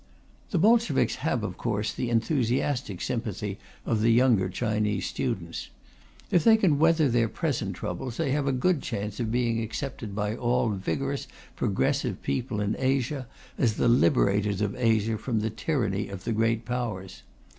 The Bolsheviks have, of course, the enthusiastic sympathy of the younger Chinese students. If they can weather their present troubles, they have a good chance of being accepted by all vigorous progressive people in Asia as the liberators of Asia from the tyranny of the Great Powers.